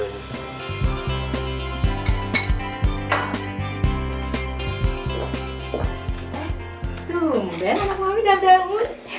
tungguin anak mami dan anakmu